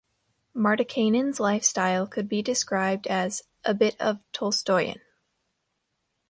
Martikainen's lifestyle could be described as "a bit of a Tolstoyan".